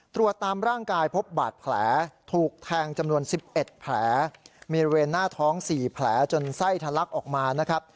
ตรวจตามร่างกายพบบาดแผลถูกแทงจำนวน๑๑แผลมีบริเวณหน้าท้อง๔แผลจนไส้ทะลักออกมานะครับ